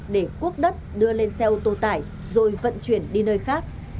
để quốc đất đưa lên xe ô tô tải rồi vận chuyển đi nơi khác